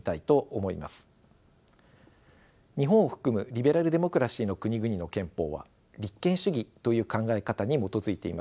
日本を含むリベラルデモクラシーの国々の憲法は立憲主義という考え方に基づいています。